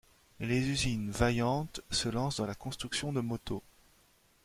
Les usines Vaillante se lancent dans la construction de motos.